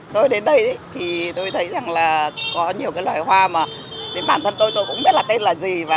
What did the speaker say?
tôi đến đây thì tôi thấy rằng là có nhiều cái loài hoa mà đến bản thân tôi tôi cũng biết là tên là gì